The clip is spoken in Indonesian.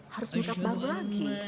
harus make up baru lagi